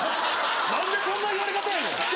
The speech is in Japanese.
何でそんな言われ方やねん！